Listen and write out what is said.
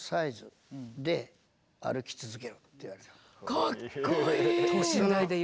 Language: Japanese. かっこいい！